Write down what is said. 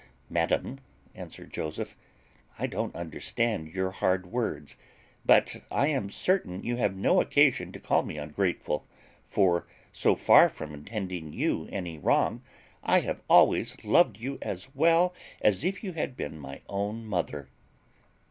"Madam," answered Joseph, "I don't understand your hard words; but I am certain you have no occasion to call me ungrateful, for, so far from intending you any wrong, I have always loved you as well as if you had been my own mother."